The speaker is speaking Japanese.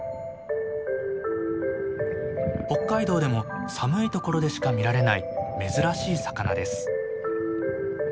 北海道でも寒いところでしか見られない珍しい魚です。